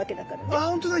あほんとだ。